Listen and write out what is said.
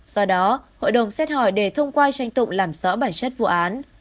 do đó hội đồng xét hỏi để thông qua tranh tụng làm rõ bản chất vụ án